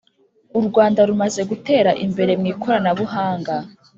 Urwanda rumaze gutera imbere mwi koranabuhanga